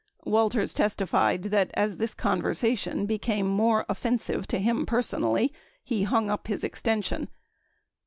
Walters testified that as this conversation became more offensive to him personally, he hung up his extension.